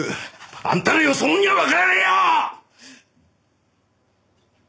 あんたらよそもんにはわからねえよ！！